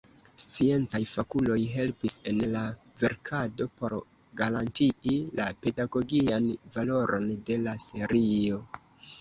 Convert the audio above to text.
Sciencaj fakuloj helpis en la verkado por garantii la pedagogian valoron de la serio.